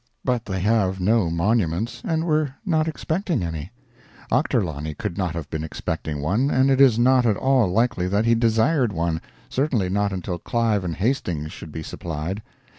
But they have no monuments, and were not expecting any. Ochterlony could not have been expecting one, and it is not at all likely that he desired one certainly not until Clive and Hastings should be supplied.